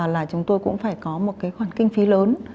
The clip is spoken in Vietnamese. là chúng tôi cũng phải có một cái khoản kinh phí lớn